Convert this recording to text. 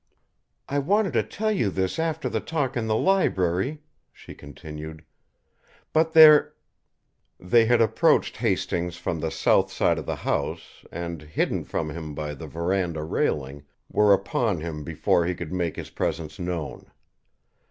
"I wanted to tell you this after the talk in the library," she continued, "but there " They had approached Hastings from the south side of the house and, hidden from him by the verandah railing, were upon him before he could make his presence known.